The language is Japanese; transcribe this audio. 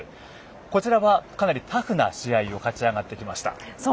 こちらは、かなりタフな試合を勝ち上がってきました。